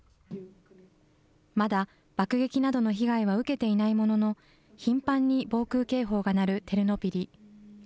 まだ、爆撃などの被害は受けていないものの、頻繁に防空警報が鳴るテルノピリ。